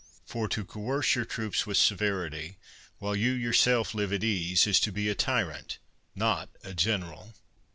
For to coerce your troops with severity, while you yourself live at ease, is to be a tyrant, not a general.